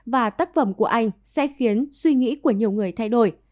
và tác phẩm của anh sẽ khiến suy nghĩ của nhiều người thay đổi